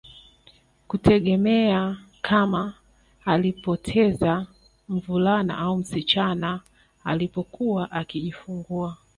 Kutegemea kama alipoteza mvulana au msichana alipokuwa akijifungua